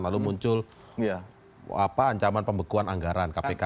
lalu muncul ancaman pembekuan anggaran kpk